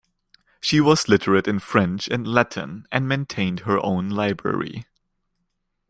She was literate in French and Latin and maintained her own library.